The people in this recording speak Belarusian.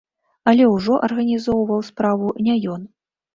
Але ўжо арганізоўваў справу не ён.